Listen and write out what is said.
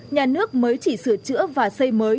nhà nước mới chỉ sửa chữa và xây mới